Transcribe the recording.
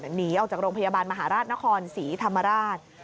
หนีออกจากโรงพยาบาลมหาราชนครศรีธรรมราช